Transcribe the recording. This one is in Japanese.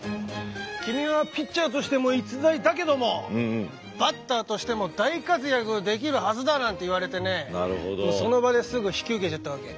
君はピッチャーとしても逸材だけどもバッターとしても大活躍できるはずだなんて言われてねその場ですぐ引き受けちゃったわけ。